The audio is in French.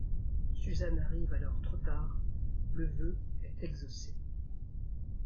Susan arrive alors trop tard, le vœu est exaucé.